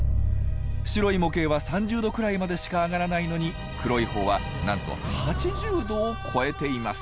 白い模型は３０℃くらいまでしか上がらないのに黒い方はなんと８０℃を超えています。